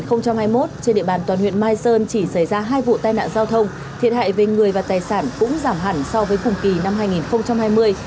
năm hai nghìn hai mươi một trên địa bàn toàn huyện mai sơn chỉ xảy ra hai vụ tai nạn giao thông thiệt hại về người và tài sản cũng giảm hẳn so với cùng kỳ năm hai nghìn hai mươi